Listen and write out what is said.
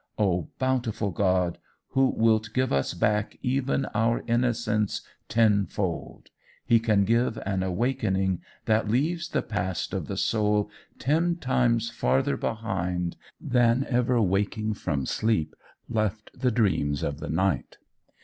O bountiful God, who wilt give us back even our innocence tenfold! He can give an awaking that leaves the past of the soul ten times farther behind than ever waking from sleep left the dreams of the night.